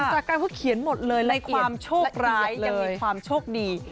สักระยะเพิ่งเขียนหมดเลยไล่ความโชคร้ายยังมีความโชคดี